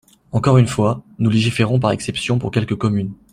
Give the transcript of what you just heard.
Encore une fois, nous légiférons par exception pour quelques communes.